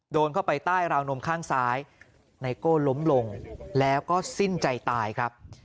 โดนเข้าไปใต้ราวนมข้างซ้ายไนโก้ล้มลงแล้วก็สิ้นใจตายครับ